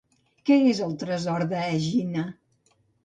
Què és el tresor d'Egina?